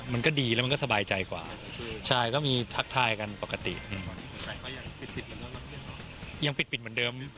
มันก็ดีแล้วมันก็สบายใจกว่าใช่ก็มีทักทายกันปกติยังปิดปิดเหมือนเดิม